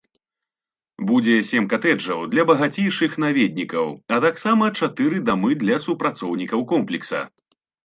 Будзе сем катэджаў для багацейшых наведнікаў, а таксама чатыры дамы для супрацоўнікаў комплекса.